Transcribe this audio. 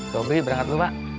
sobri berangkat dulu pak